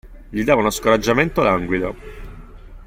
Gli dava uno scoraggiamento languido.